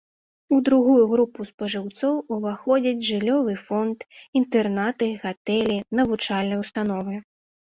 У другую групу спажыўцоў уваходзіць жыллёвы фонд, інтэрнаты, гатэлі, навучальныя ўстановы.